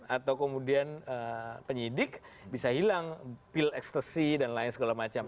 atau kemudian penyidik bisa hilang pil ekstasi dan lain segala macam